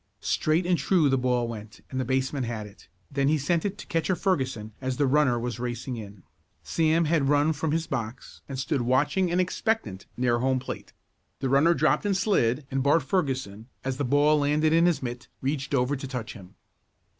Straight and true the ball went and the baseman had it. Then he sent it to Catcher Ferguson as the runner was racing in. Sam had run from his box and stood watching and expectant near home plate. The runner dropped and slid and Bart Ferguson, as the ball landed in his mitt, reached over to touch him.